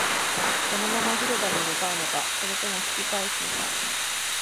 このまま広場に向かうのか、それとも引き返すのか